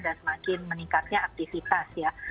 dan semakin meningkatnya aktivitas ya